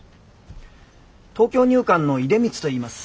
東京入管の出光といいます。